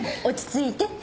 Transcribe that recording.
落ち着いて。